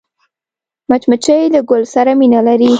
مچمچۍ له ګل سره مینه لري